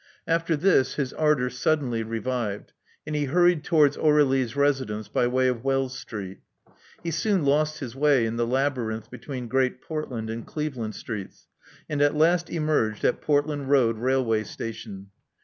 After this, his ardor suddenly revived; and he hurried towards Aur^lie's residence by way of Wells Street. He soon lost his way in the labyrinth between Great Portland and Cleveland Streets, and at last emerged at Portland Road railway station.